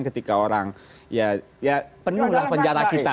ketika orang ya penuh lah penjara kita